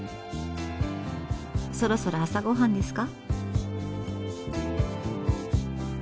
そろそろ朝ごはんですか？